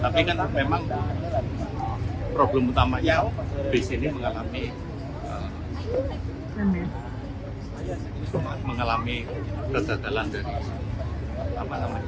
tapi kan memang problem utamanya di sini mengalami kegagalan dari apa namanya